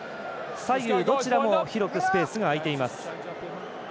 左右どちらも広くスペースが空いています。